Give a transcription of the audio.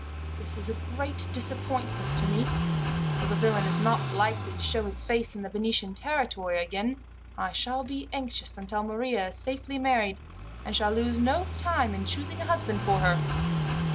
"This is a great disappointment to me. Though the villain is not likely to show his face in the Venetian territory again, I shall be anxious until Maria is safely married, and shall lose no time in choosing a husband for her.